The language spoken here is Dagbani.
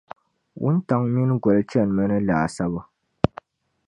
Wuntaŋ’ mini goli chanimi ni laasabu.